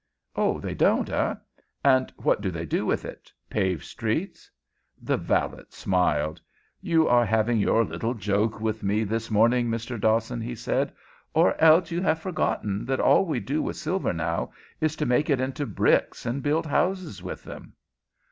"Oh, they don't, eh? And what do they do with it pave streets?" The valet smiled. "You are having your little joke with me this morning, Mr. Dawson," he said, "or else you have forgotten that all we do with silver now is to make it into bricks and build houses with 'em."